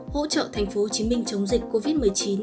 hỗ trợ tp hcm chống dịch covid một mươi chín